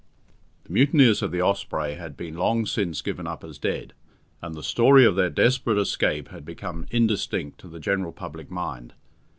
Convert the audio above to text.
The mutineers of the Osprey had been long since given up as dead, and the story of their desperate escape had become indistinct to the general public mind.